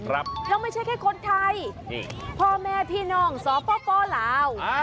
แล้วไม่ใช่แค่คนไทยนี่พ่อแม่พี่น้องสปลาว